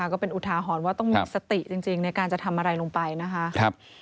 ก็เป็นอุทาหรณ์ว่าต้องมีสติจริงในการจะทำอะไรลงไปนะคะ